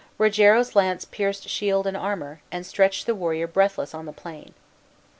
Rogero's lance pierced shield and armor, and stretched the warrior breathless on the plain.